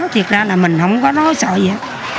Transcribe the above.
thiệt ra là mình không có nói sợ gì